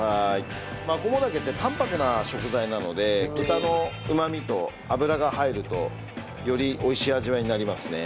マコモダケって淡泊な食材なので豚のうまみと脂が入るとより美味しい味わいになりますね。